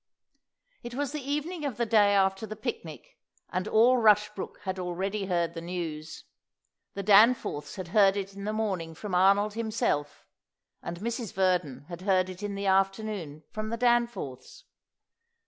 It was the evening of the day after the picnic, and all Rushbrook had already heard the news. The Danforths had heard it in the morning from Arnold himself, and Mrs. Verdon had heard it in the afternoon from the Danforths.